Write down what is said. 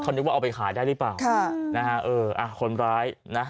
นึกว่าเอาไปขายได้หรือเปล่าค่ะนะฮะเอออ่ะคนร้ายนะ